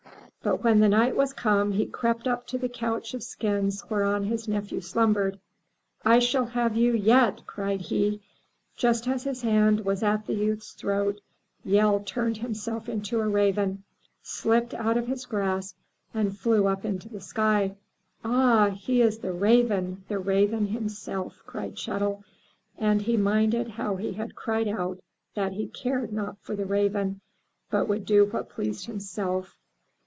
But when the night was come, he crept up to the couch of skins whereon his nephew slumbered. "I shall have you yet!" cried he. Just as his hand was at the youth's throat, Yehl turned himself into a raven, slipped out of his grasp and flew up into the sky. Ah, he is the Raven, the Raven himself!*' cried Chet'l, and he minded how he had cried out that he cared not for the Raven, but would do what pleased himself.